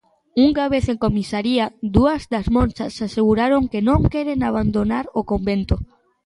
Unha vez en comisaría, dúas das monxas aseguraron que non queren abandonar o convento.